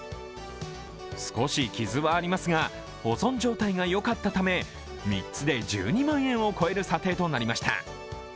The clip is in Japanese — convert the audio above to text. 少し傷はありますが、保存状態がよかったため３つで１２万円を超える査定となりました。